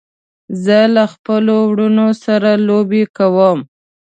زه له خپلو وروڼو سره لوبې کوم.